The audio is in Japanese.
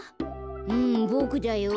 うんボクだよ。